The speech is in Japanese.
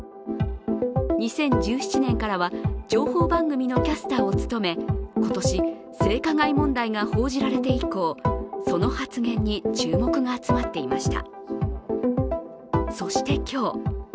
２０１７年からは情報番組のキャスターを務め今年、性加害問題が報じられて以降その発言に注目が集まっていました。